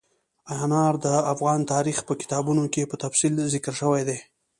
انار د افغان تاریخ په کتابونو کې په تفصیل ذکر شوي دي.